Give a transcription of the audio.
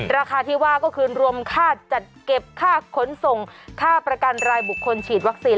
ราคาที่ว่าก็คือรวมค่าจัดเก็บค่าขนส่งค่าประกันรายบุคคลฉีดวัคซีน